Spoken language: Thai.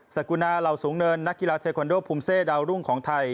กุณาเหล่าสูงเนินนักกีฬาเทควันโดภูมิเซดาวรุ่งของไทย